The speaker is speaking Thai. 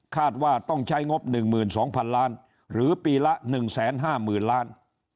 คาดว่าต้องใช้งบหนึ่งหมื่นสองพันล้านหรือปีละหนึ่งแสนห้ามือนล้าน